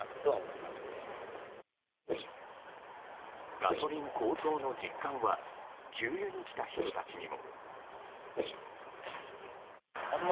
ガソリン高騰の実感は給油に来た人たちにも。